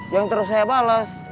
yang terus saya bales